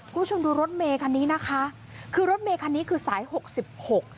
คุณผู้ชมดูรถเมคันนี้นะคะคือรถเมคันนี้คือสายหกสิบหก